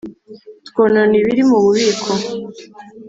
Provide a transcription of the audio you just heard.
twonona ibiri mu bubiko